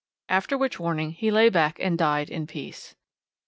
after which warning he lay back and died in peace.